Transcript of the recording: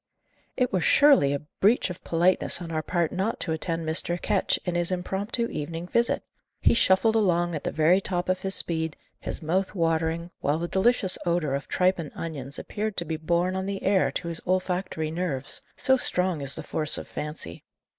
It were surely a breach of politeness on our part not to attend Mr. Ketch in his impromptu evening visit! He shuffled along at the very top of his speed, his mouth watering, while the delicious odour of tripe and onions appeared to be borne on the air to his olfactory nerves: so strong is the force of fancy.